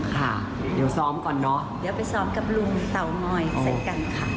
ค่ะเดี๋ยวซ้อมก่อนเนอะเดี๋ยวไปซ้อมกับลุงเตางอยใส่กันค่ะ